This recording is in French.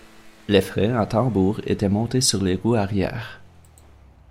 Les freins à tambour étaient montés sur les roues arrière.